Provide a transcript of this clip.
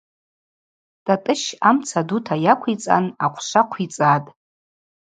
Тӏатӏыщ амца дута йаквицӏан ахъвшва хъвицӏатӏ.